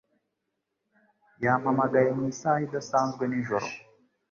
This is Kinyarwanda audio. Yampamagaye mu isaha idasanzwe nijoro